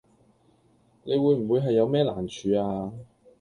你會唔會係有咩難處呀